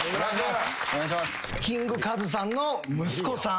キングカズさんの息子さん。